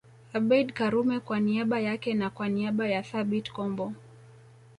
Abeid Karume kwa niaba yake na kwa niaba ya Thabit Kombo